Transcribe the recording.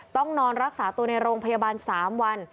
ต้องนอนรักษาตัวในโรงพยาบาล๓วัน